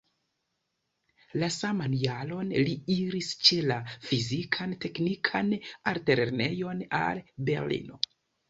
La saman jaron li iris ĉe la Fizikan-teknikan altlernejon al Berlino.